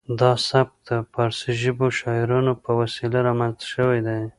دا سبک د پارسي ژبو شاعرانو په وسیله رامنځته شوی دی